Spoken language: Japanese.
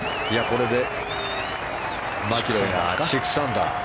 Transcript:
これでマキロイが６アンダー。